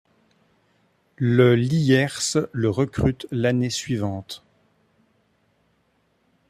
Le Lierse le recrute l'année suivante.